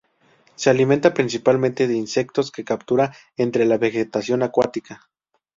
Se alimentan principalmente de insectos que captura entre la vegetación acuática.